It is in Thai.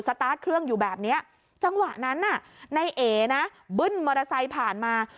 ตาร์ทเครื่องอยู่แบบเนี้ยจังหวะนั้นน่ะในเอนะบึ้นมอเตอร์ไซค์ผ่านมา